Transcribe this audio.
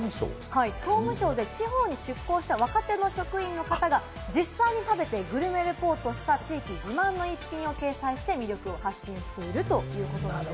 総務省で地方に出向した若手の職員の方が実際に食べてグルメレポートした地域自慢の一品を掲載して、魅力を発信しているということなんです。